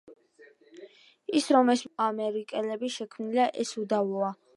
ის, რომ ეს მუსიკა აფროამერიკელების შექმნილია ეს უდავოა.